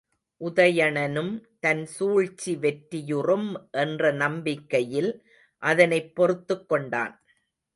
உதயணனும் தன் சூழ்ச்சி வெற்றியுறும் என்ற நம்பிக்கையில் அதனைப் பொறுத்துக் கொண்டான்.